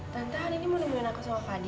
tante anini mau nungguin aku sama fadil